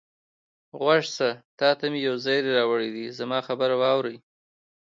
غوږ شه، تا ته مې یو زېری راوړی دی، زما خبره واورئ.